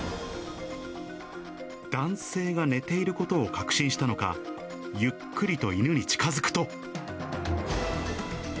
男性が寝ていることを確信したのか、ゆっくりと犬に近づくと。